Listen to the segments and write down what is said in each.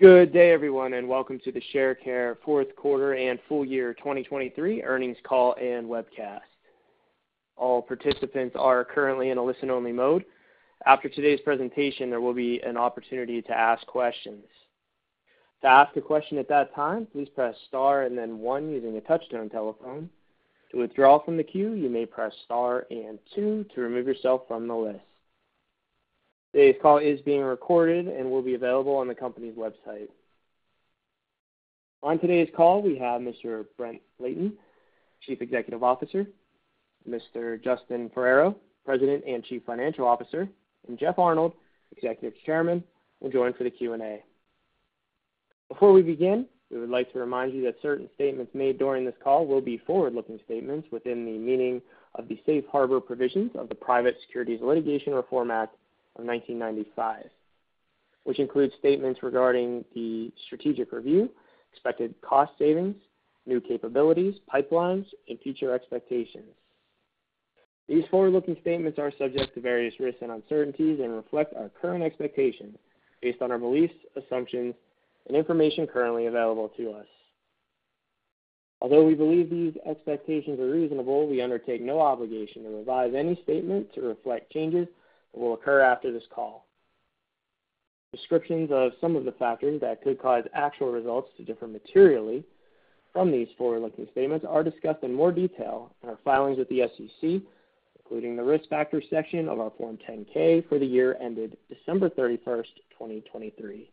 Good day, everyone, and welcome to the Sharecare fourth quarter and full year 2023 earnings call and webcast. All participants are currently in a listen-only mode. After today's presentation, there will be an opportunity to ask questions. To ask a question at that time, please press star and then one using a touch-tone telephone. To withdraw from the queue, you may press star and two to remove yourself from the list. Today's call is being recorded and will be available on the company's website. On today's call, we have Mr. Brent Layton, Chief Executive Officer, Mr. Justin Ferrero, President and Chief Financial Officer, and Jeff Arnold, Executive Chairman, will join for the Q&A. Before we begin, we would like to remind you that certain statements made during this call will be forward-looking statements within the meaning of the safe harbor provisions of the Private Securities Litigation Reform Act of 1995, which includes statements regarding the strategic review, expected cost savings, new capabilities, pipelines, and future expectations. These forward-looking statements are subject to various risks and uncertainties and reflect our current expectations based on our beliefs, assumptions, and information currently available to us. Although we believe these expectations are reasonable, we undertake no obligation to revise any statement to reflect changes that will occur after this call. Descriptions of some of the factors that could cause actual results to differ materially from these forward-looking statements are discussed in more detail in our filings with the SEC, including the risk factors section of our Form 10-K for the year ended December 31st, 2023.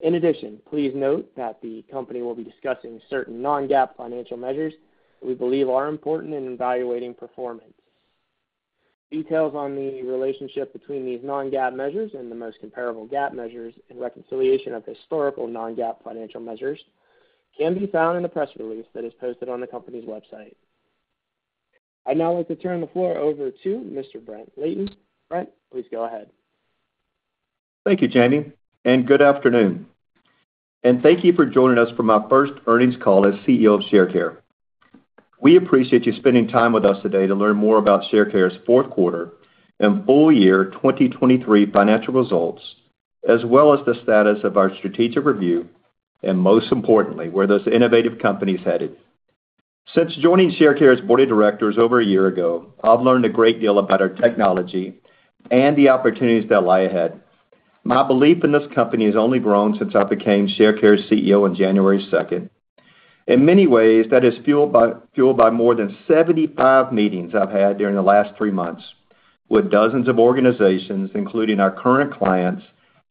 In addition, please note that the company will be discussing certain non-GAAP financial measures that we believe are important in evaluating performance. Details on the relationship between these non-GAAP measures and the most comparable GAAP measures in reconciliation of historical non-GAAP financial measures can be found in the press release that is posted on the company's website. I'd now like to turn the floor over to Mr. Brent Layton. Brent, please go ahead. Thank you, Janie, and good afternoon. Thank you for joining us for my first earnings call as CEO of Sharecare. We appreciate you spending time with us today to learn more about Sharecare's fourth quarter and full year 2023 financial results, as well as the status of our strategic review and, most importantly, where this innovative company is headed. Since joining Sharecare's board of directors over a year ago, I've learned a great deal about our technology and the opportunities that lie ahead. My belief in this company has only grown since I became Sharecare's CEO on January 2nd. In many ways, that is fueled by more than 75 meetings I've had during the last three months with dozens of organizations, including our current clients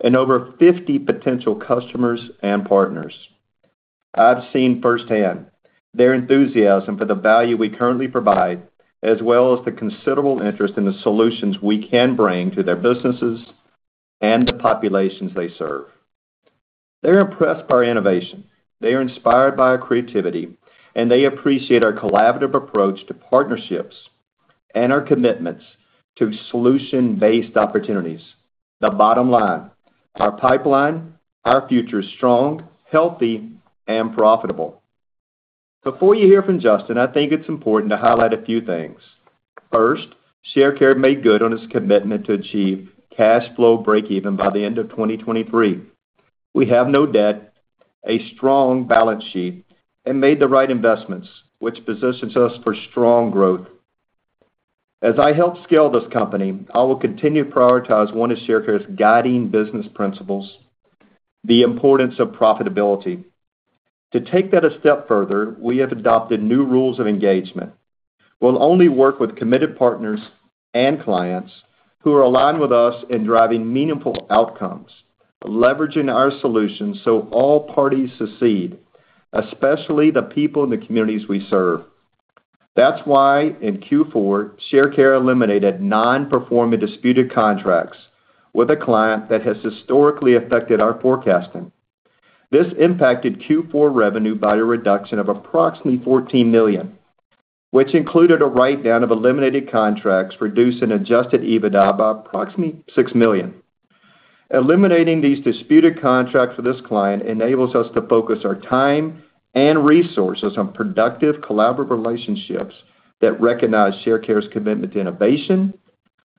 and over 50 potential customers and partners. I've seen firsthand their enthusiasm for the value we currently provide, as well as the considerable interest in the solutions we can bring to their businesses and the populations they serve. They're impressed by our innovation. They are inspired by our creativity, and they appreciate our collaborative approach to partnerships and our commitments to solution-based opportunities. The bottom line: our pipeline, our future is strong, healthy, and profitable. Before you hear from Justin, I think it's important to highlight a few things. First, Sharecare made good on its commitment to achieve cash flow break-even by the end of 2023. We have no debt, a strong balance sheet, and made the right investments, which positions us for strong growth. As I help scale this company, I will continue to prioritize one of Sharecare's guiding business principles: the importance of profitability. To take that a step further, we have adopted new rules of engagement. We'll only work with committed partners and clients who are aligned with us in driving meaningful outcomes, leveraging our solutions so all parties succeed, especially the people in the communities we serve. That's why, in Q4, Sharecare eliminated non-performing disputed contracts with a client that has historically affected our forecasting. This impacted Q4 revenue by a reduction of approximately $14 million, which included a write-down of eliminated contracts reduced in Adjusted EBITDA by approximately $6 million. Eliminating these disputed contracts with this client enables us to focus our time and resources on productive collaborative relationships that recognize Sharecare's commitment to innovation,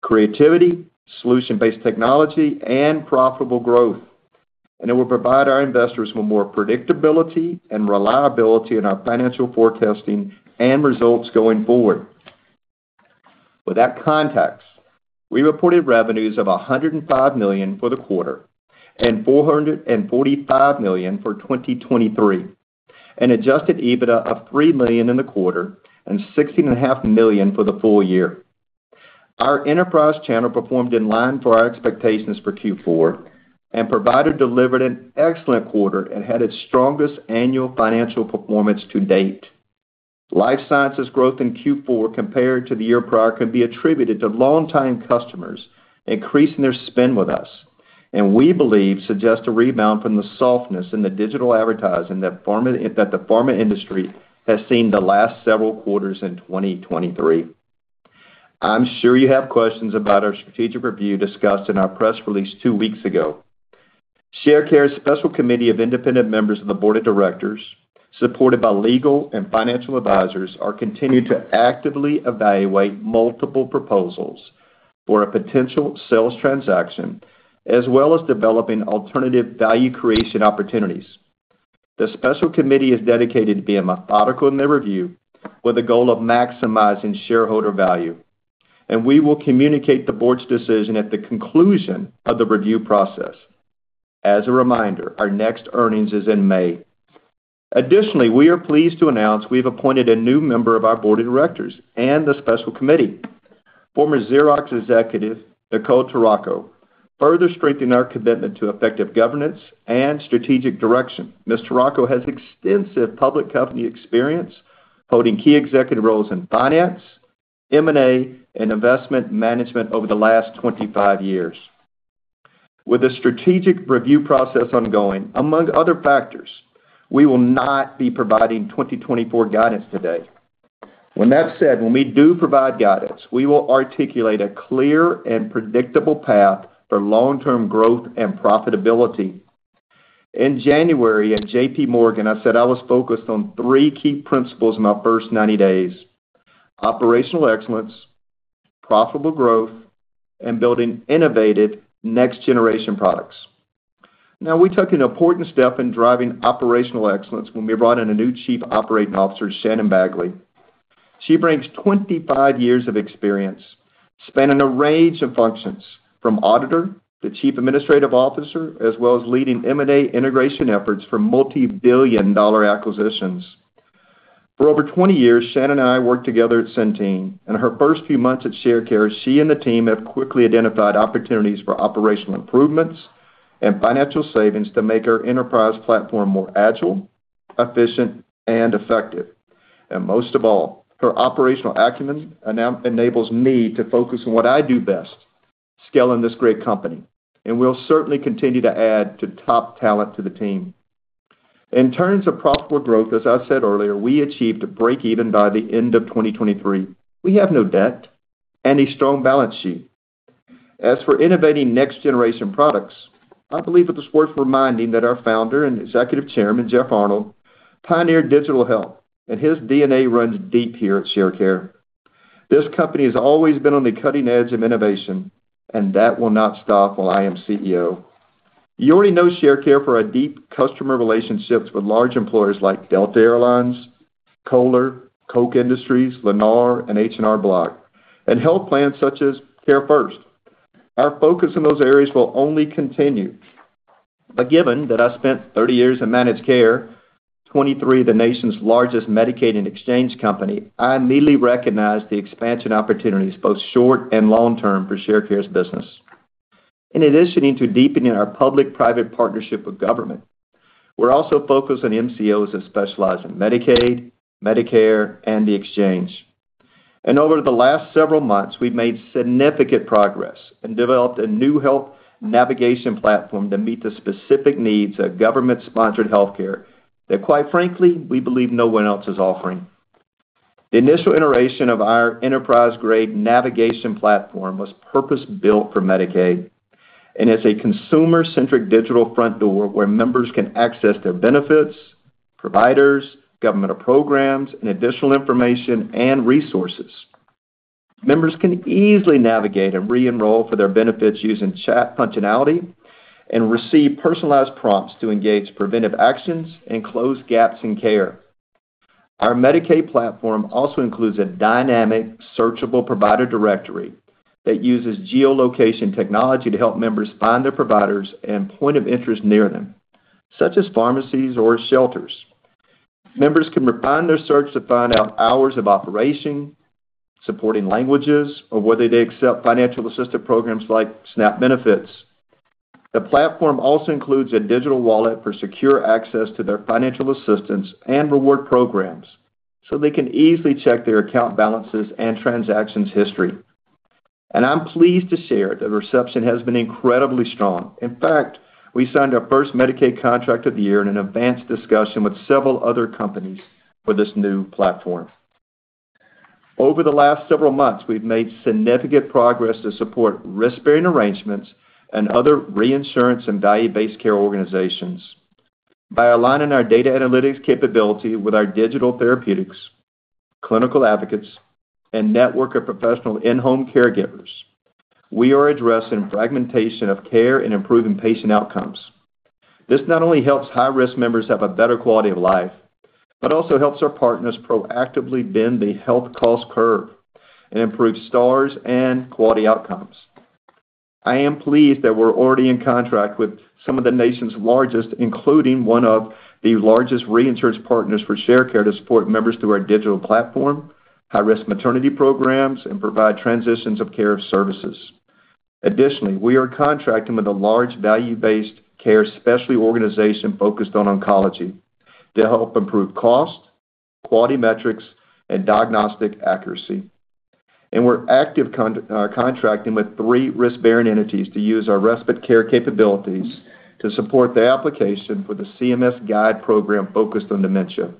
creativity, solution-based technology, and profitable growth, and it will provide our investors with more predictability and reliability in our financial forecasting and results going forward. With that context, we reported revenues of $105 million for the quarter and $445 million for 2023, an Adjusted EBITDA of $3 million in the quarter and $16.5 million for the full year. Our enterprise channel performed in line for our expectations for Q4 and provider delivered an excellent quarter and had its strongest annual financial performance to date. Life Sciences' growth in Q4 compared to the year prior can be attributed to long-time customers increasing their spend with us, and we believe suggests a rebound from the softness in the digital advertising that the pharma industry has seen the last several quarters in 2023. I'm sure you have questions about our strategic review discussed in our press release two weeks ago. Sharecare's special committee of independent members of the board of directors, supported by legal and financial advisors, are continuing to actively evaluate multiple proposals for a potential sales transaction, as well as developing alternative value creation opportunities. The special committee is dedicated to being methodical in their review with the goal of maximizing shareholder value, and we will communicate the board's decision at the conclusion of the review process. As a reminder, our next earnings is in May. Additionally, we are pleased to announce we have appointed a new member of our board of directors and the special committee, former Xerox executive Nicole Torraco, further strengthening our commitment to effective governance and strategic direction. Ms. Torraco has extensive public company experience holding key executive roles in finance, M&A, and investment management over the last 25 years. With the strategic review process ongoing, among other factors, we will not be providing 2024 guidance today. When that's said, when we do provide guidance, we will articulate a clear and predictable path for long-term growth and profitability. In January at JPMorgan, I said I was focused on three key principles in my first 90 days: operational excellence, profitable growth, and building innovative next-generation products. Now, we took an important step in driving operational excellence when we brought in a new Chief Operating Officer, Shannon Bagley. She brings 25 years of experience spanning a range of functions from auditor to Chief Administrative Officer, as well as leading M&A integration efforts for multi-billion dollar acquisitions. For over 20 years, Shannon and I worked together at Centene, and in her first few months at Sharecare, she and the team have quickly identified opportunities for operational improvements and financial savings to make our enterprise platform more agile, efficient, and effective. And most of all, her operational acumen enables me to focus on what I do best: scaling this great company, and we'll certainly continue to add top talent to the team. In terms of profitable growth, as I said earlier, we achieved a break-even by the end of 2023. We have no debt and a strong balance sheet. As for innovating next-generation products, I believe it's worth reminding that our founder and Executive Chairman, Jeff Arnold, pioneered digital health, and his DNA runs deep here at Sharecare. This company has always been on the cutting edge of innovation, and that will not stop while I am CEO. You already know Sharecare for our deep customer relationships with large employers like Delta Air Lines, Kohler, Koch Industries, Lennar, and H&R Block, and health plans such as CareFirst. Our focus in those areas will only continue. But given that I spent 30 years in managed care, 23 the nation's largest Medicaid and exchange company, I immediately recognize the expansion opportunities, both short and long-term, for Sharecare's business. In addition to deepening our public-private partnership with government, we're also focused on MCOs that specialize in Medicaid, Medicare, and the exchange. And over the last several months, we've made significant progress and developed a new health navigation platform to meet the specific needs of government-sponsored healthcare that, quite frankly, we believe no one else is offering. The initial iteration of our enterprise-grade navigation platform was purpose-built for Medicaid and is a consumer-centric digital front door where members can access their benefits, providers, governmental programs, and additional information and resources. Members can easily navigate and re-enroll for their benefits using chat functionality and receive personalized prompts to engage preventive actions and close gaps in care. Our Medicaid platform also includes a dynamic, searchable provider directory that uses geolocation technology to help members find their providers and point of interest near them, such as pharmacies or shelters. Members can refine their search to find out hours of operation, supporting languages, or whether they accept financial assistance programs like SNAP benefits. The platform also includes a digital wallet for secure access to their financial assistance and reward programs so they can easily check their account balances and transactions history. I'm pleased to share that reception has been incredibly strong. In fact, we signed our first Medicaid contract of the year in advanced discussions with several other companies for this new platform. Over the last several months, we've made significant progress to support risk-bearing arrangements and other reinsurance and value-based care organizations. By aligning our data analytics capability with our digital therapeutics, clinical advocates, and network of professional in-home caregivers, we are addressing fragmentation of care and improving patient outcomes. This not only helps high-risk members have a better quality of life, but also helps our partners proactively bend the health cost curve and improve stars and quality outcomes. I am pleased that we're already in contract with some of the nation's largest, including one of the largest reinsurance partners for Sharecare to support members through our digital platform, high-risk maternity programs, and provide transitions of care services. Additionally, we are contracting with a large value-based care specialty organization focused on oncology to help improve cost, quality metrics, and diagnostic accuracy. We're active contracting with three risk-bearing entities to use our respite care capabilities to support the application for the CMS GUIDE Model focused on dementia.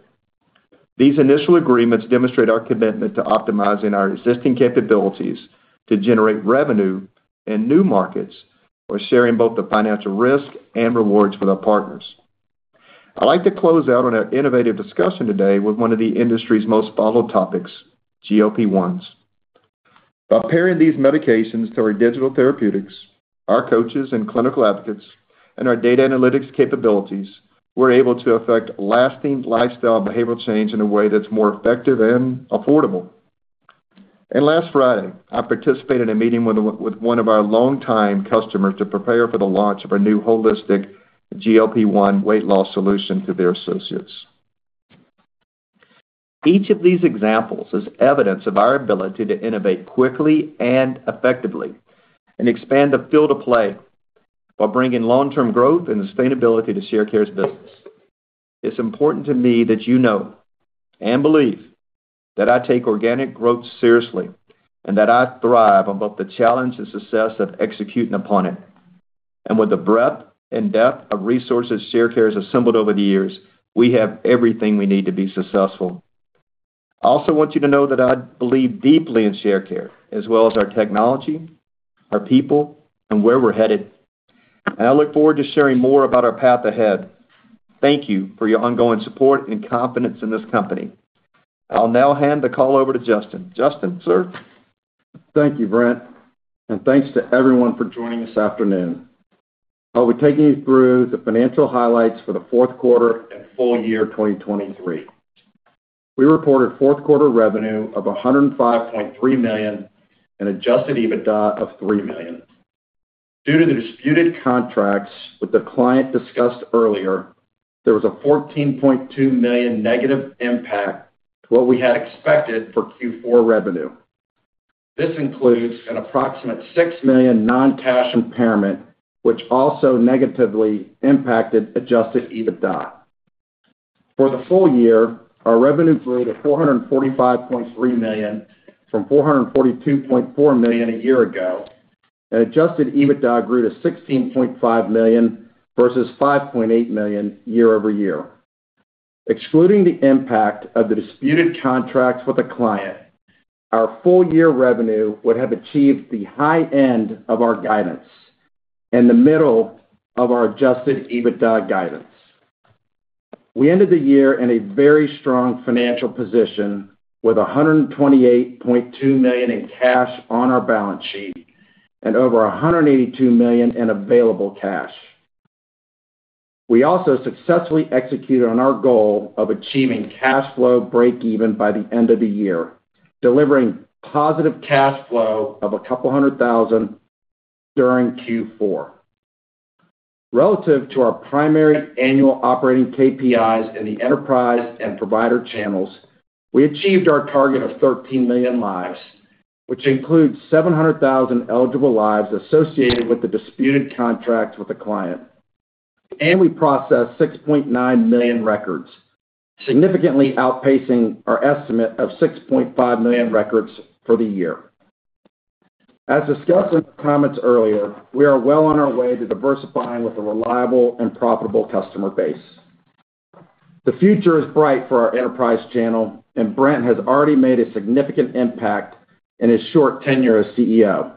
These initial agreements demonstrate our commitment to optimizing our existing capabilities to generate revenue in new markets while sharing both the financial risk and rewards with our partners. I'd like to close out on our innovative discussion today with one of the industry's most followed topics, GLP-1s. By pairing these medications to our digital therapeutics, our coaches and clinical advocates, and our data analytics capabilities, we're able to affect lasting lifestyle behavioral change in a way that's more effective and affordable. Last Friday, I participated in a meeting with one of our long-time customers to prepare for the launch of our new holistic GLP-1 weight loss solution to their associates. Each of these examples is evidence of our ability to innovate quickly and effectively and expand the field of play while bringing long-term growth and sustainability to Sharecare's business. It's important to me that you know and believe that I take organic growth seriously and that I thrive on both the challenge and success of executing upon it. With the breadth and depth of resources Sharecare has assembled over the years, we have everything we need to be successful. I also want you to know that I believe deeply in Sharecare, as well as our technology, our people, and where we're headed. I look forward to sharing more about our path ahead. Thank you for your ongoing support and confidence in this company. I'll now hand the call over to Justin.Justin, sir. Thank you, Brent. Thanks to everyone for joining this afternoon. I'll be taking you through the financial highlights for the fourth quarter and full year 2023. We reported fourth quarter revenue of $105.3 million and Adjusted EBITDA of $3 million. Due to the disputed contracts with the client discussed earlier, there was a $14.2 million negative impact to what we had expected for Q4 revenue. This includes an approximate $6 million non-cash impairment, which also negatively impacted Adjusted EBITDA. For the full year, our revenue grew to $445.3 million from $442.4 million a year ago, and Adjusted EBITDA grew to $16.5 million versus $5.8 million year-over-year. Excluding the impact of the disputed contracts with the client, our full year revenue would have achieved the high end of our guidance and the middle of our Adjusted EBITDA guidance. We ended the year in a very strong financial position with $128.2 million in cash on our balance sheet and over $182 million in available cash. We also successfully executed on our goal of achieving cash flow break-even by the end of the year, delivering positive cash flow of $200,000 during Q4. Relative to our primary annual operating KPIs and the enterprise and provider channels, we achieved our target of 13 million lives, which includes 700,000 eligible lives associated with the disputed contracts with the client. We processed 6.9 million records, significantly outpacing our estimate of 6.5 million records for the year. As discussed in the comments earlier, we are well on our way to diversifying with a reliable and profitable customer base. The future is bright for our enterprise channel, and Brent has already made a significant impact in his short tenure as CEO.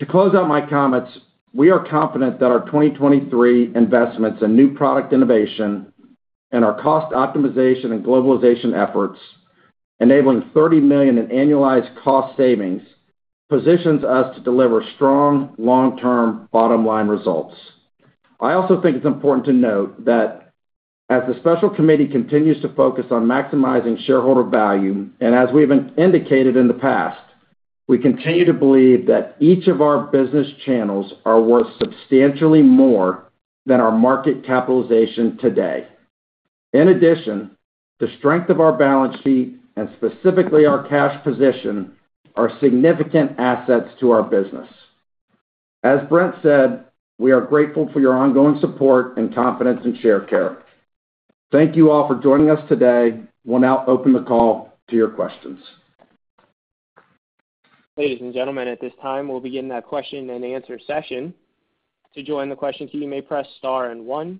To close out my comments, we are confident that our 2023 investments in new product innovation and our cost optimization and globalization efforts, enabling $30 million in annualized cost savings, positions us to deliver strong, long-term bottom-line results. I also think it's important to note that as the special committee continues to focus on maximizing shareholder value, and as we've indicated in the past, we continue to believe that each of our business channels are worth substantially more than our market capitalization today. In addition, the strength of our balance sheet and specifically our cash position are significant assets to our business. As Brent said, we are grateful for your ongoing support and confidence in Sharecare. Thank you all for joining us today. We'll now open the call to your questions. Ladies and gentlemen, at this time, we'll begin that question and answer session. To join the question queue, you may press star and one.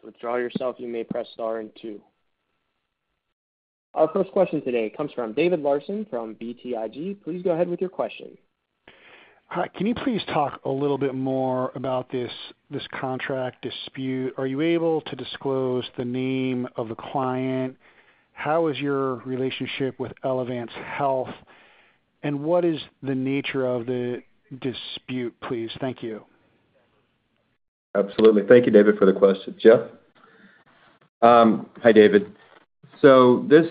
To withdraw yourself, you may press star and two. Our first question today comes from David Larsen from BTIG. Please go ahead with your question. Can you please talk a little bit more about this contract dispute? Are you able to disclose the name of the client? How is your relationship with Elevance Health? And what is the nature of the dispute, please? Thank you. Absolutely. Thank you, David, for the question. Jeff? So this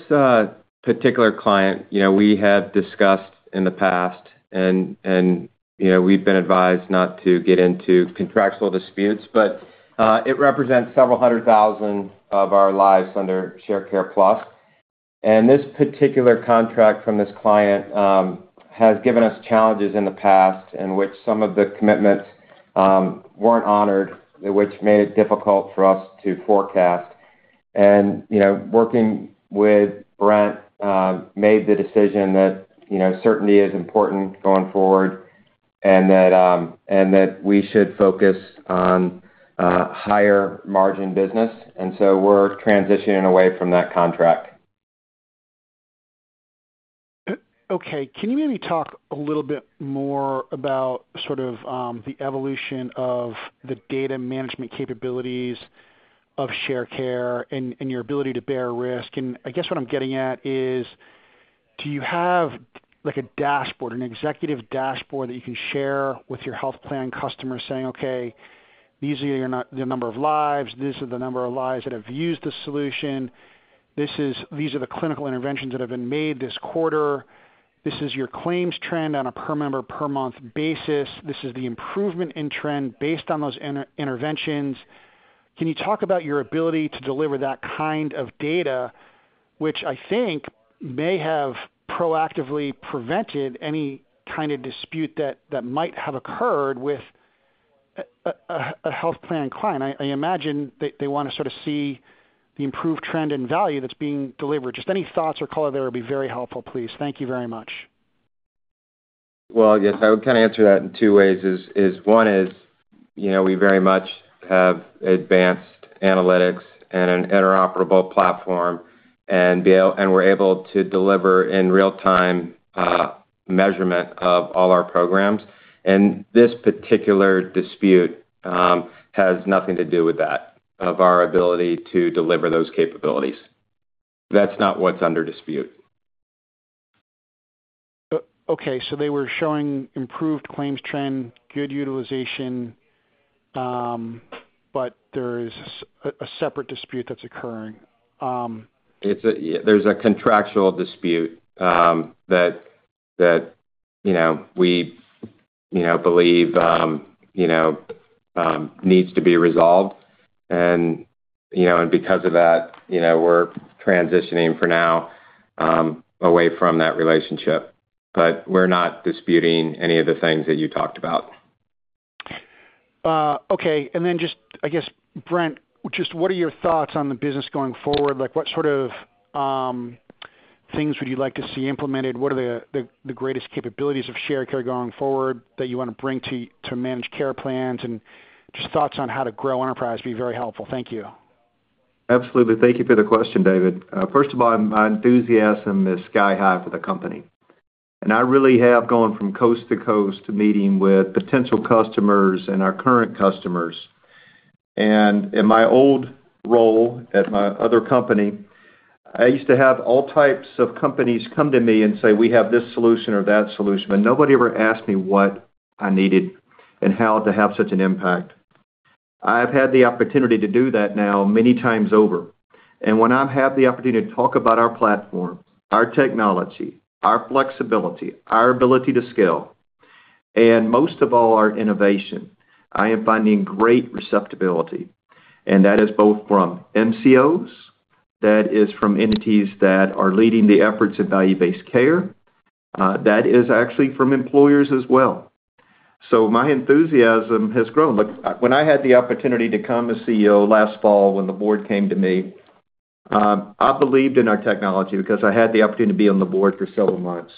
particular client, we have discussed in the past, and we've been advised not to get into contractual disputes, but it represents several hundred thousand of our lives under Sharecare Plus. And this particular contract from this client has given us challenges in the past in which some of the commitments weren't honored, which made it difficult for us to forecast. And working with Brent made the decision that certainty is important going forward and that we should focus on higher margin business. And so we're transitioning away from that contract. Okay. Can you maybe talk a little bit more about sort of the evolution of the data management capabilities of Sharecare and your ability to bear risk? And I guess what I'm getting at is, do you have a dashboard, an executive dashboard that you can share with your health plan customers saying, "Okay, these are the number of lives. These are the number of lives that have used the solution. These are the clinical interventions that have been made this quarter. This is your claims trend on a per-member, per-month basis. This is the improvement in trend based on those interventions." Can you talk about your ability to deliver that kind of data, which I think may have proactively prevented any kind of dispute that might have occurred with a health plan client? I imagine they want to sort of see the improved trend in value that's being delivered. Just any thoughts or color there would be very helpful, please. Thank you very much. Well, yes, I would kind of answer that in two ways. One is we very much have advanced analytics and an interoperable platform, and we're able to deliver in real-time measurement of all our programs. This particular dispute has nothing to do with that, of our ability to deliver those capabilities. That's not what's under dispute. Okay. So they were showing improved claims trend, good utilization, but there is a separate dispute that's occurring. There's a contractual dispute that we believe needs to be resolved. Because of that, we're transitioning for now away from that relationship. But we're not disputing any of the things that you talked about. Okay. And then just, I guess, Brent, just what are your thoughts on the business going forward? What sort of things would you like to see implemented? What are the greatest capabilities of Sharecare going forward that you want to bring to managed care plans? Just thoughts on how to grow enterprise would be very helpful. Thank you. Absolutely. Thank you for the question, David. First of all, my enthusiasm is sky-high for the company. I really have gone from coast to coast, meeting with potential customers and our current customers. In my old role at my other company, I used to have all types of companies come to me and say, "We have this solution or that solution." But nobody ever asked me what I needed and how to have such an impact. I have had the opportunity to do that now many times over. When I've had the opportunity to talk about our platform, our technology, our flexibility, our ability to scale, and most of all, our innovation, I am finding great receptivity. That is both from MCOs. That is from entities that are leading the efforts of value-based care. That is actually from employers as well. So my enthusiasm has grown. When I had the opportunity to come as CEO last fall when the board came to me, I believed in our technology because I had the opportunity to be on the board for several months.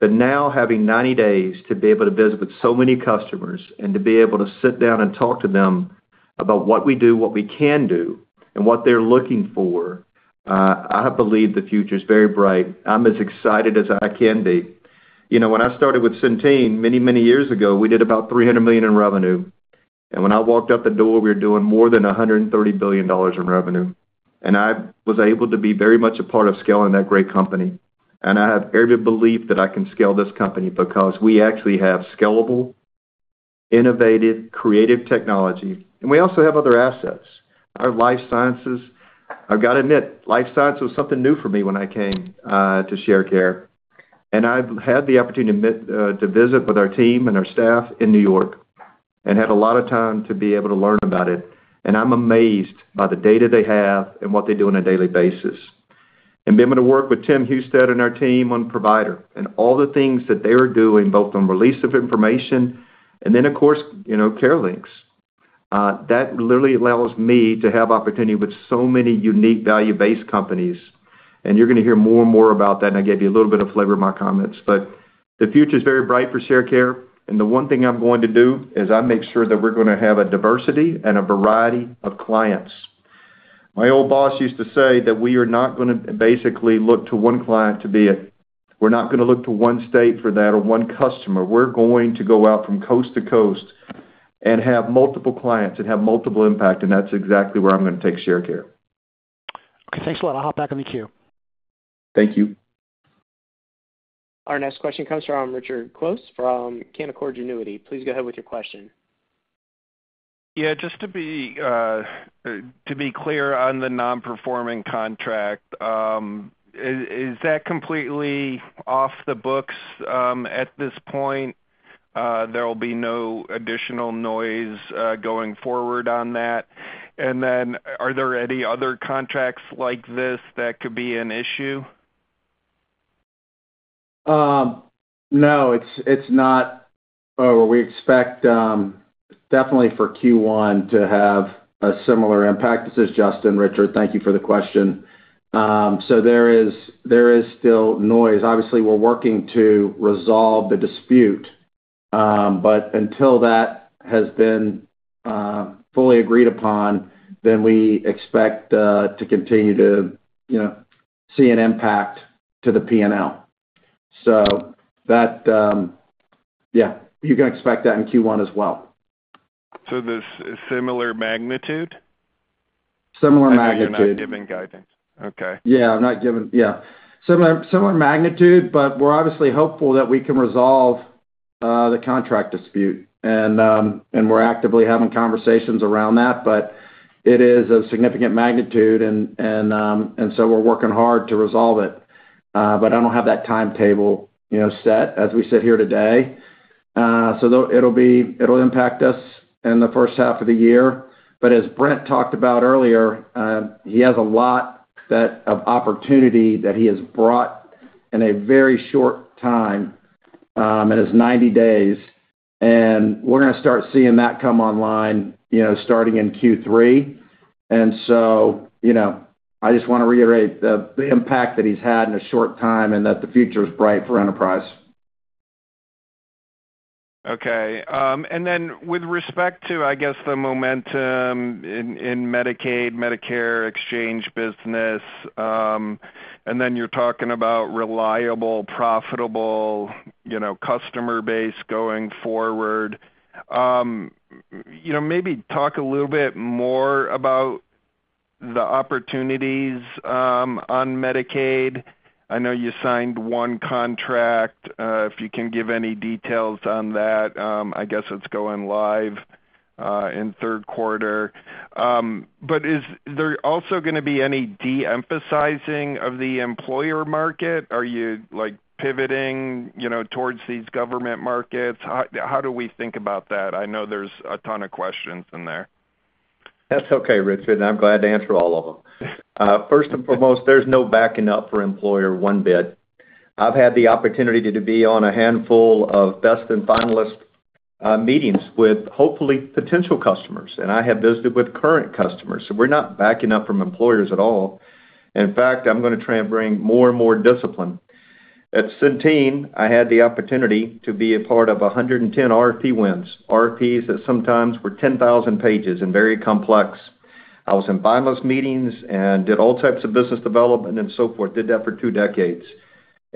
But now, having 90 days to be able to visit with so many customers and to be able to sit down and talk to them about what we do, what we can do, and what they're looking for, I believe the future is very bright. I'm as excited as I can be. When I started with Centene many, many years ago, we did about $300 million in revenue. And when I walked out the door, we were doing more than $130 billion in revenue. I was able to be very much a part of scaling that great company. I have every belief that I can scale this company because we actually have scalable, innovative, creative technology. We also have other assets. Our Life Sciences, I've got to admit, Life Sciences was something new for me when I came to Sharecare. I've had the opportunity to visit with our team and our staff in New York and had a lot of time to be able to learn about it. I'm amazed by the data they have and what they do on a daily basis. Being able to work with Tim Huestis and our team on provider and all the things that they were doing, both on release of information and then, of course, CareLinx, that literally allows me to have opportunity with so many unique value-based companies. You're going to hear more and more about that. I gave you a little bit of flavor in my comments. But the future is very bright for Sharecare. The one thing I'm going to do is I make sure that we're going to have a diversity and a variety of clients. My old boss used to say that we are not going to basically look to one client to be it. We're not going to look to one state for that or one customer. We're going to go out from coast to coast and have multiple clients and have multiple impact. That's exactly where I'm going to take Sharecare. Okay. Thanks a lot. I'll hop back on the queue. Thank you. Our next question comes from Richard Close from Canaccord Genuity. Please go ahead with your question. Yeah. Just to be clear on the non-performing contract, is that completely off the books at this point? There will be no additional noise going forward on that. And then are there any other contracts like this that could be an issue? No. It's not where we expect, definitely for Q1, to have a similar impact. This is Justin. Richard, thank you for the question. So there is still noise. Obviously, we're working to resolve the dispute. But until that has been fully agreed upon, then we expect to continue to see an impact to the P&L. So yeah, you can expect that in Q1 as well. So this is similar magnitude? Similar magnitude. Given guidance. Okay. Yeah. Yeah. Similar magnitude, but we're obviously hopeful that we can resolve the contract dispute. And we're actively having conversations around that. But it is of significant magnitude, and so we're working hard to resolve it. But I don't have that timetable set, as we sit here today. So it'll impact us in the first half of the year. But as Brent talked about earlier, he has a lot of opportunity that he has brought in a very short time. It is 90 days. And we're going to start seeing that come online starting in Q3. And so I just want to reiterate the impact that he's had in a short time and that the future is bright for enterprise. Okay. And then with respect to, I guess, the momentum in Medicaid, Medicare exchange business, and then you're talking about reliable, profitable customer base going forward, maybe talk a little bit more about the opportunities on Medicaid. I know you signed one contract. If you can give any details on that, I guess it's going live in third quarter. But is there also going to be any de-emphasizing of the employer market? Are you pivoting towards these government markets? How do we think about that? I know there's a ton of questions in there. That's okay, Richard. And I'm glad to answer all of them. First and foremost, there's no backing up for employer one bit. I've had the opportunity to be on a handful of best and finalist meetings with, hopefully, potential customers. And I have visited with current customers. So we're not backing up from employers at all. In fact, I'm going to try and bring more and more discipline. At Centene, I had the opportunity to be a part of 110 RFP wins, RFPs that sometimes were 10,000 pages and very complex. I was in finalist meetings and did all types of business development and so forth, did that for 2 decades.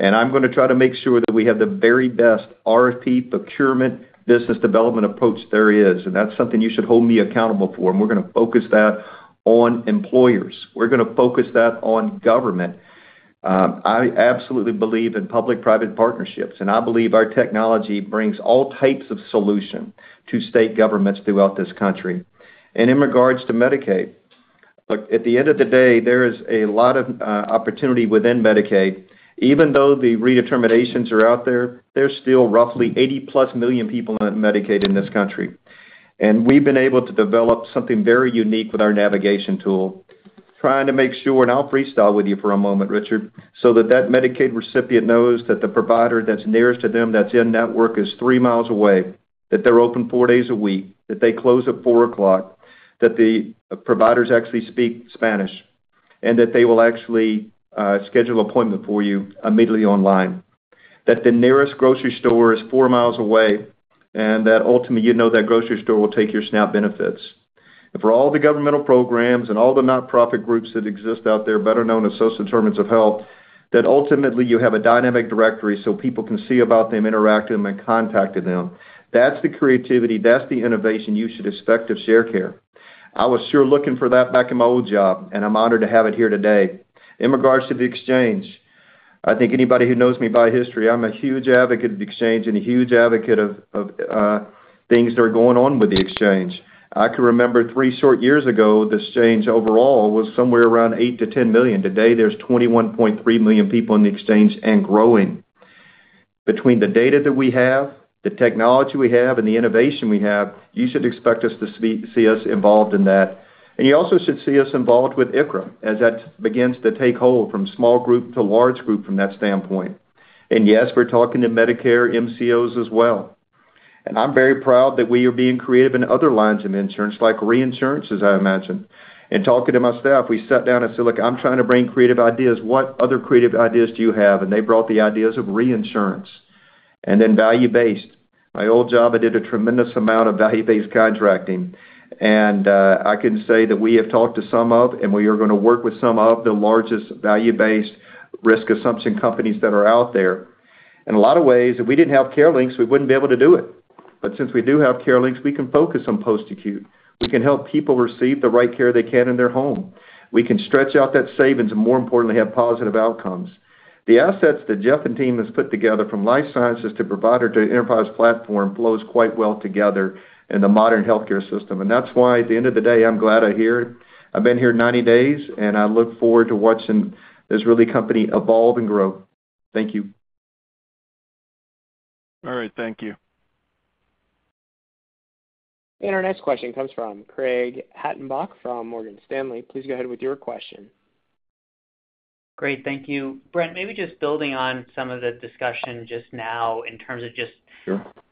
I'm going to try to make sure that we have the very best RFP procurement business development approach there is. That's something you should hold me accountable for. We're going to focus that on employers. We're going to focus that on government. I absolutely believe in public-private partnerships. I believe our technology brings all types of solution to state governments throughout this country. In regards to Medicaid, look, at the end of the day, there is a lot of opportunity within Medicaid. Even though the redeterminations are out there, there's still roughly 80+ million people on Medicaid in this country. We've been able to develop something very unique with our navigation tool, trying to make sure and I'll freestyle with you for a moment, Richard, so that that Medicaid recipient knows that the provider that's nearest to them that's in-network is 3 miles away, that they're open 4 days a week, that they close at 4 o'clock, that the providers actually speak Spanish, and that they will actually schedule an appointment for you immediately online, that the nearest grocery store is 4 miles away, and that ultimately, you know that grocery store will take your SNAP benefits. For all the governmental programs and all the nonprofit groups that exist out there, better known as Social Determinants of Health, that ultimately, you have a dynamic directory so people can see about them, interact with them, and contact with them. That's the creativity. That's the innovation you should expect of Sharecare. I was sure looking for that back in my old job, and I'm honored to have it here today. In regards to the exchange, I think anybody who knows me by history, I'm a huge advocate of the exchange and a huge advocate of things that are going on with the exchange. I can remember three short years ago, the exchange overall was somewhere around 8-10 million. Today, there's 21.3 million people in the exchange and growing. Between the data that we have, the technology we have, and the innovation we have, you should expect us to see us involved in that. And you also should see us involved with ICHRA as that begins to take hold from small group to large group from that standpoint. And yes, we're talking to Medicare MCOs as well. And I'm very proud that we are being creative in other lines of insurance, like reinsurance, as I imagine. And talking to my staff, we sat down and said, "Look, I'm trying to bring creative ideas. What other creative ideas do you have?" And they brought the ideas of reinsurance and then value-based. My old job, I did a tremendous amount of value-based contracting. And I can say that we have talked to some of, and we are going to work with some of the largest value-based risk assumption companies that are out there. In a lot of ways, if we didn't have CareLinx, we wouldn't be able to do it. But since we do have CareLinx, we can focus on post-acute. We can help people receive the right care they can in their home. We can stretch out that savings and, more importantly, have positive outcomes. The assets that Jeff and team has put together from life sciences to provider to enterprise platform flows quite well together in the modern healthcare system. And that's why, at the end of the day, I'm glad I'm here. I've been here 90 days, and I look forward to watching this really company evolve and grow. Thank you. All right. Thank you. And our next question comes from Craig Hettenbach from Morgan Stanley. Please go ahead with your question. Great. Thank you. Brent, maybe just building on some of the discussion just now in terms of just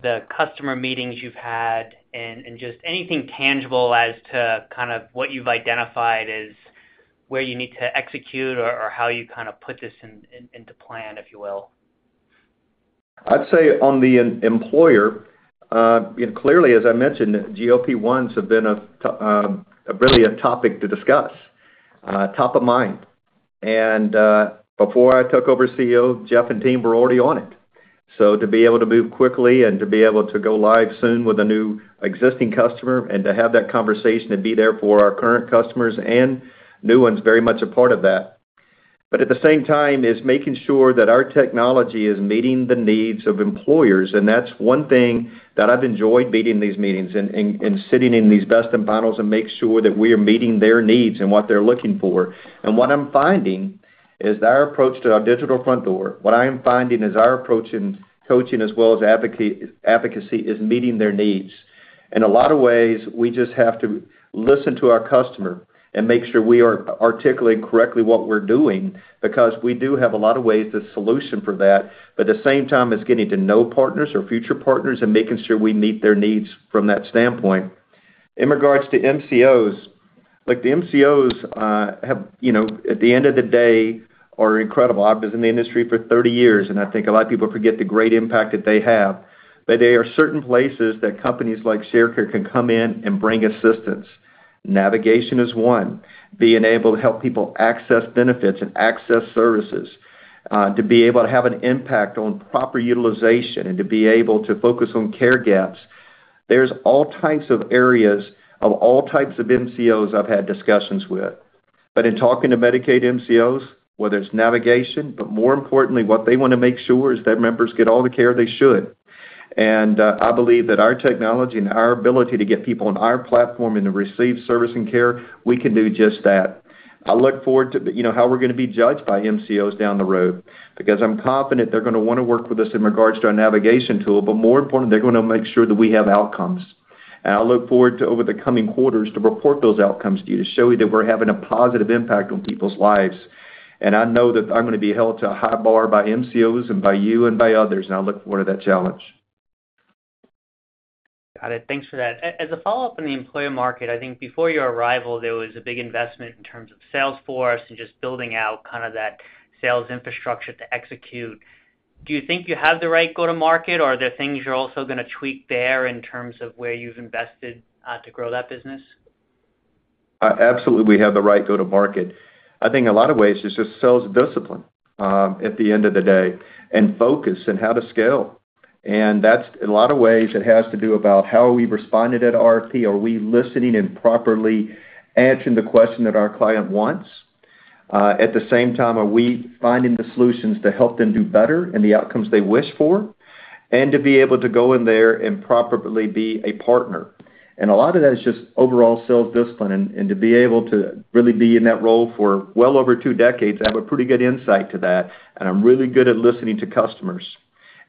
the customer meetings you've had and just anything tangible as to kind of what you've identified as where you need to execute or how you kind of put this into plan, if you will. I'd say on the employer, clearly, as I mentioned, GLP-1s have been really a topic to discuss, top of mind. And before I took over CEO, Jeff and team were already on it. So to be able to move quickly and to be able to go live soon with a new existing customer and to have that conversation and be there for our current customers and new ones very much a part of that. But at the same time, it's making sure that our technology is meeting the needs of employers. And that's one thing that I've enjoyed meeting these meetings and sitting in these best and finals and make sure that we are meeting their needs and what they're looking for. What I'm finding is that our approach to our digital front door, what I am finding is our approach and coaching as well as advocacy is meeting their needs. In a lot of ways, we just have to listen to our customer and make sure we are articulating correctly what we're doing because we do have a lot of ways to solution for that, but at the same time, it's getting to know partners or future partners and making sure we meet their needs from that standpoint. In regard to MCOs, look, the MCOs, at the end of the day, are incredible. I've been in the industry for 30 years, and I think a lot of people forget the great impact that they have. But there are certain places that companies like Sharecare can come in and bring assistance. Navigation is one. Being able to help people access benefits and access services, to be able to have an impact on proper utilization and to be able to focus on care gaps, there's all types of areas of all types of MCOs I've had discussions with. But in talking to Medicaid MCOs, whether it's navigation, but more importantly, what they want to make sure is that members get all the care they should. And I believe that our technology and our ability to get people on our platform and to receive service and care, we can do just that. I look forward to how we're going to be judged by MCOs down the road because I'm confident they're going to want to work with us in regards to our navigation tool. But more importantly, they're going to make sure that we have outcomes. And I look forward to, over the coming quarters, to report those outcomes to you to show you that we're having a positive impact on people's lives. And I know that I'm going to be held to a high bar by MCOs and by you and by others. And I look forward to that challenge. Got it. Thanks for that. As a follow-up on the employer market, I think before your arrival, there was a big investment in terms of Salesforce and just building out kind of that sales infrastructure to execute. Do you think you have the right go-to-market, or are there things you're also going to tweak there in terms of where you've invested to grow that business? Absolutely, we have the right go-to-market. I think, in a lot of ways, it's just sales discipline at the end of the day and focus and how to scale. And that's, in a lot of ways, it has to do about how are we responding at RFP? Are we listening and properly answering the question that our client wants? At the same time, are we finding the solutions to help them do better and the outcomes they wish for and to be able to go in there and properly be a partner? And a lot of that is just overall sales discipline. And to be able to really be in that role for well over two decades, I have a pretty good insight to that. And I'm really good at listening to customers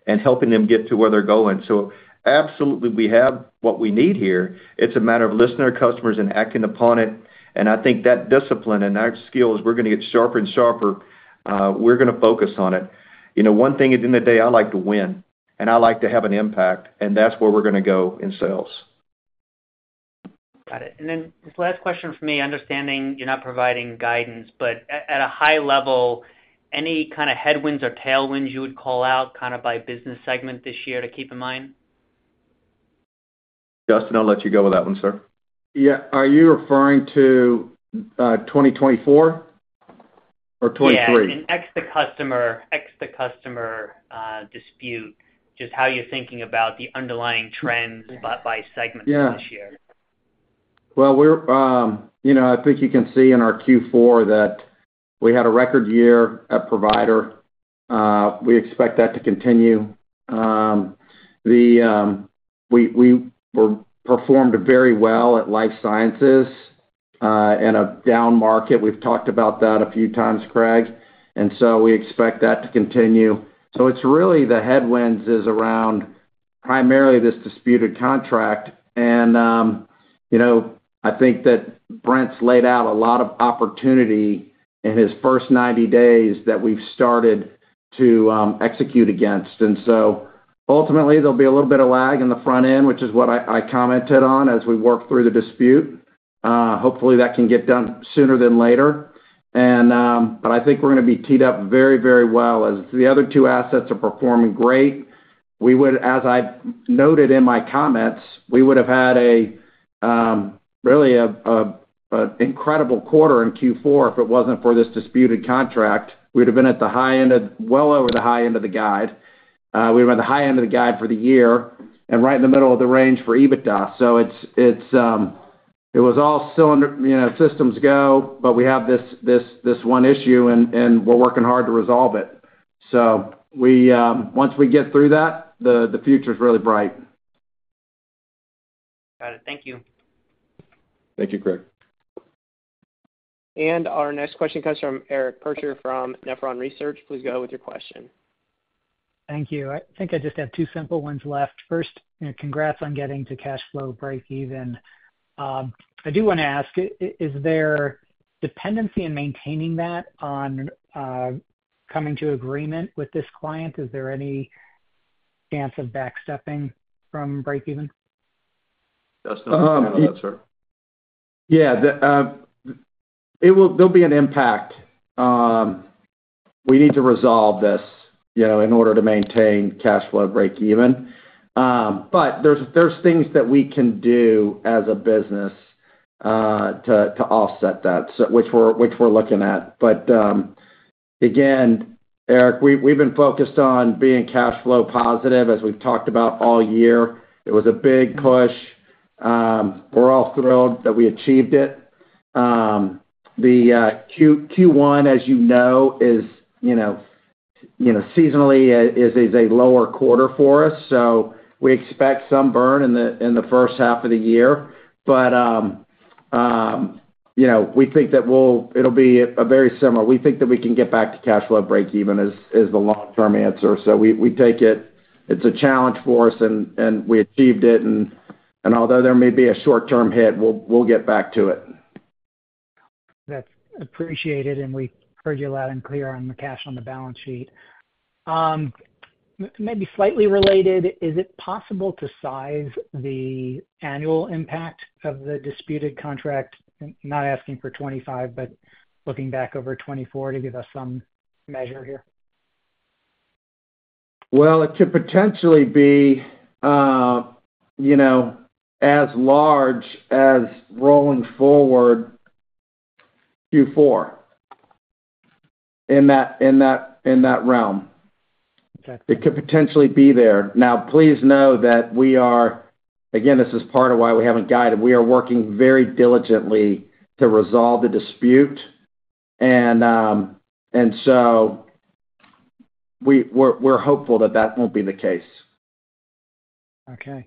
and helping them get to where they're going. So absolutely, we have what we need here. It's a matter of listening to our customers and acting upon it. And I think that discipline and our skills, we're going to get sharper and sharper. We're going to focus on it. One thing, at the end of the day, I like to win, and I like to have an impact. And that's where we're going to go in sales. Got it. And then this last question from me, understanding you're not providing guidance, but at a high level, any kind of headwinds or tailwinds you would call out kind of by business segment this year to keep in mind? Justin, I'll let you go with that one, sir. Yeah. Are you referring to 2024 or 2023? Yeah. And ex the customer dispute, just how you're thinking about the underlying trends by segments this year. Yeah. Well, I think you can see in our Q4 that we had a record year at Provider. We expect that to continue. We performed very well at Life Sciences in a down market. We've talked about that a few times, Craig. So we expect that to continue. So it's really the headwinds is around primarily this disputed contract. And I think that Brent's laid out a lot of opportunity in his first 90 days that we've started to execute against. So, ultimately, there'll be a little bit of lag in the front end, which is what I commented on as we work through the dispute. Hopefully, that can get done sooner than later. But I think we're going to be teed up very, very well. As the other two assets are performing great, as I noted in my comments, we would have had really an incredible quarter in Q4 if it wasn't for this disputed contract. We would have been at the high end of well over the high end of the guide. We were at the high end of the guide for the year and right in the middle of the range for EBITDA. So it was all cylinder systems go, but we have this one issue, and we're working hard to resolve it. So once we get through that, the future is really bright. Got it. Thank you. Thank you, Craig. And our next question comes from Eric Percher from Nephron Research. Please go ahead with your question. Thank you. I think I just have two simple ones left. First, congrats on getting to cash flow break-even. I do want to ask, is there dependency in maintaining that on coming to agreement with this client? Is there any chance of backstepping from break-even? Justin, I don't know that, sir. Yeah. There'll be an impact. We need to resolve this in order to maintain cash flow break-even. But there's things that we can do as a business to offset that, which we're looking at. But again, Eric, we've been focused on being cash flow positive, as we've talked about all year. It was a big push. We're all thrilled that we achieved it. The Q1, as you know, seasonally is a lower quarter for us. So we expect some burn in the first half of the year. But we think that it'll be very similar. We think that we can get back to cash flow break-even is the long-term answer. So we take it. It's a challenge for us, and we achieved it. And although there may be a short-term hit, we'll get back to it. That's appreciated. And we heard you loud and clear on the cash on the balance sheet. Maybe slightly related, is it possible to size the annual impact of the disputed contract, not asking for 2025 but looking back over 2024 to give us some measure here? Well, it could potentially be as large as rolling forward Q4 in that realm. It could potentially be there. Now, please know that we are again, this is part of why we haven't guided. We are working very diligently to resolve the dispute. And so we're hopeful that that won't be the case. Okay.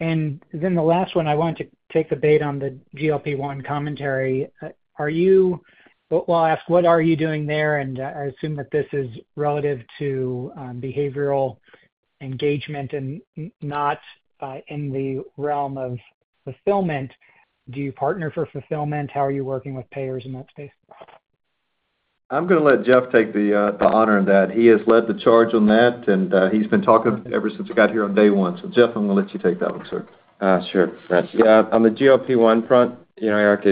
And then the last one, I wanted to take the bait on the GLP-1 commentary. Well, I'll ask, what are you doing there? And I assume that this is relative to behavioral engagement and not in the realm of fulfillment. Do you partner for fulfillment? How are you working with payers in that space? I'm going to let Jeff take the honor in that. He has led the charge on that, and he's been talking ever since I got here on day one. So Jeff, I'm going to let you take that one, sir. Sure, Brent. Yeah. On the GLP-1 front, Eric,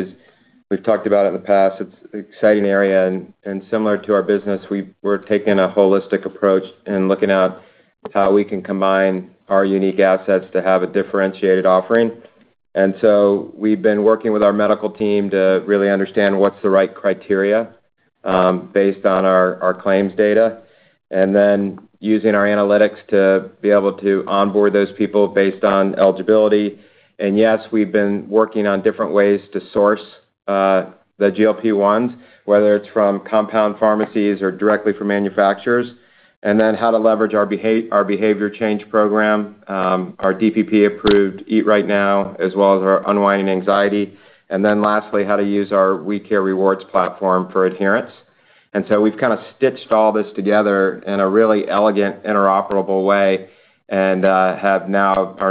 we've talked about it in the past. It's an exciting area. And similar to our business, we're taking a holistic approach and looking at how we can combine our unique assets to have a differentiated offering. And so we've been working with our medical team to really understand what's the right criteria based on our claims data and then using our analytics to be able to onboard those people based on eligibility. And yes, we've been working on different ways to source the GLP-1s, whether it's from compound pharmacies or directly from manufacturers, and then how to leverage our behavior change program, our DPP-approved Eat Right Now, as well as our Unwinding Anxiety, and then lastly, how to use our Sharecare Rewards platform for adherence. And so we've kind of stitched all this together in a really elegant, interoperable way and are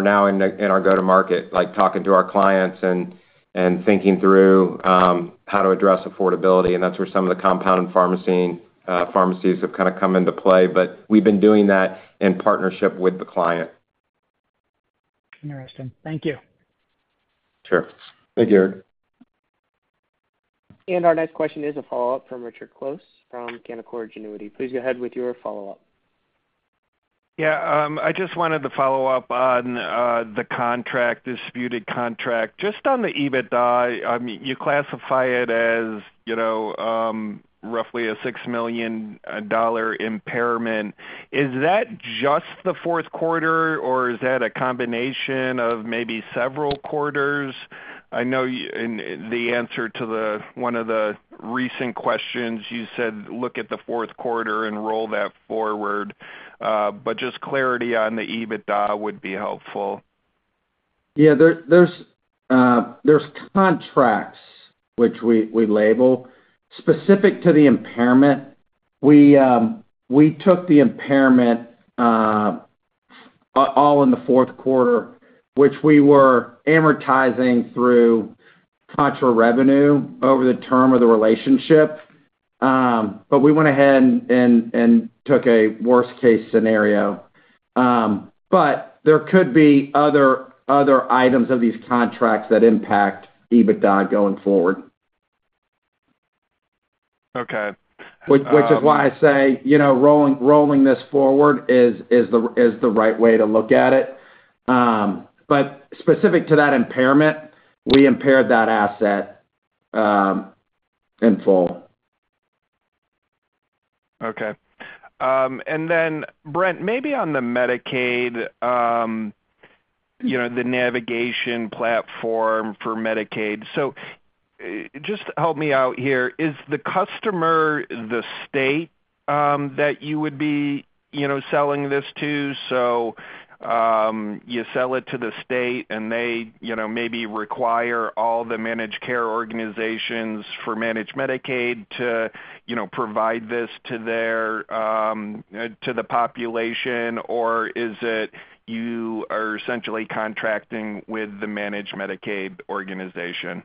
now in our go-to-market, talking to our clients and thinking through how to address affordability. And that's where some of the compound pharmacies have kind of come into play. But we've been doing that in partnership with the client. Interesting. Thank you. Sure. Thank you, Eric. And our next question is a follow-up from Richard Close from Canaccord Genuity. Please go ahead with your follow-up. Yeah. I just wanted to follow up on the disputed contract. Just on the EBITDA, you classify it as roughly a $6 million impairment. Is that just the fourth quarter, or is that a combination of maybe several quarters? I know in the answer to one of the recent questions, you said, "Look at the fourth quarter and roll that forward." But just clarity on the EBITDA would be helpful. Yeah. There's contracts which we label. Specific to the impairment, we took the impairment all in the fourth quarter, which we were amortizing through contra-revenue over the term of the relationship. But we went ahead and took a worst-case scenario. But there could be other items of these contracts that impact EBITDA going forward, which is why I say rolling this forward is the right way to look at it. But specific to that impairment, we impaired that asset in full. Okay. And then, Brent, maybe on the Medicaid, the navigation platform for Medicaid. So just help me out here. Is the customer the state that you would be selling this to? So you sell it to the state, and they maybe require all the managed care organizations for managed Medicaid to provide this to the population, or is it you are essentially contracting with the managed Medicaid organization?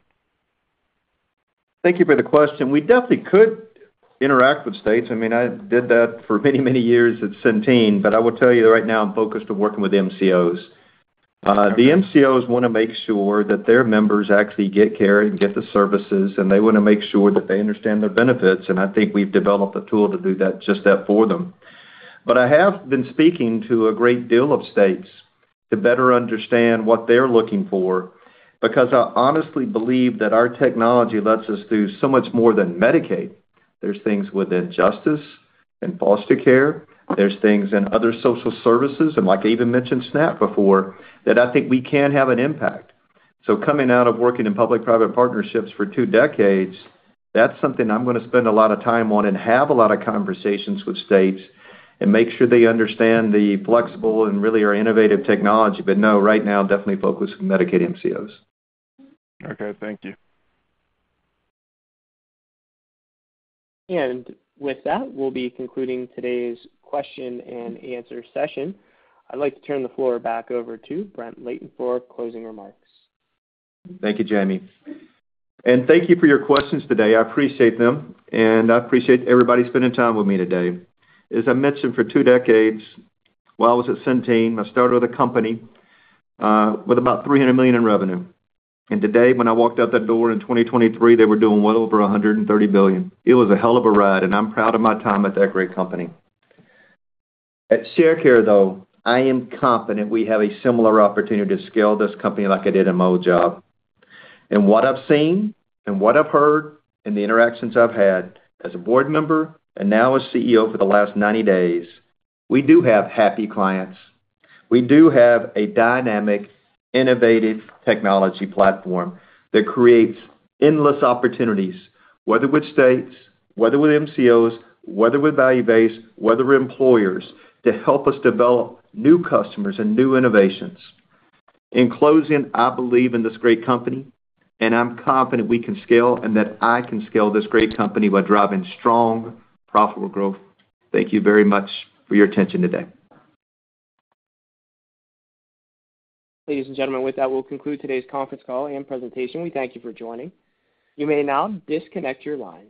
Thank you for the question. We definitely could interact with states. I mean, I did that for many, many years at Centene. But I will tell you that right now, I'm focused on working with MCOs. The MCOs want to make sure that their members actually get care and get the services, and they want to make sure that they understand their benefits. And I think we've developed a tool to do just that for them. But I have been speaking to a great deal of states to better understand what they're looking for because I honestly believe that our technology lets us do so much more than Medicaid. There's things within justice and foster care. There's things in other social services. And like I even mentioned SNAP before, that I think we can have an impact. So coming out of working in public-private partnerships for two decades, that's something I'm going to spend a lot of time on and have a lot of conversations with states and make sure they understand the flexible and really our innovative technology. But no, right now, definitely focus on Medicaid MCOs. Okay. Thank you. And with that, we'll be concluding today's question-and-answer session. I'd like to turn the floor back over to Brent Layton for closing remarks. Thank you, Jamie. And thank you for your questions today. I appreciate them. I appreciate everybody spending time with me today. As I mentioned, for two decades, while I was at Centene, I started with a company with about $300 million in revenue. Today, when I walked out that door in 2023, they were doing well over $130 billion. It was a hell of a ride, and I'm proud of my time at that great company. At Sharecare, though, I am confident we have a similar opportunity to scale this company like I did in my old job. What I've seen and what I've heard in the interactions I've had as a board member and now as CEO for the last 90 days, we do have happy clients. We do have a dynamic, innovative technology platform that creates endless opportunities, whether with states, whether with MCOs, whether with value-based, whether with employers, to help us develop new customers and new innovations. In closing, I believe in this great company, and I'm confident we can scale and that I can scale this great company by driving strong, profitable growth. Thank you very much for your attention today. Ladies and gentlemen, with that, we'll conclude today's conference call and presentation. We thank you for joining. You may now disconnect your line.